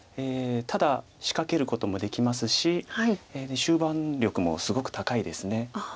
ただ仕掛けることもできますし終盤力もすごく高いです。